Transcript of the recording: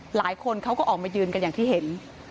หลายคนเขาก็ออกมายืนกันอย่างที่เห็น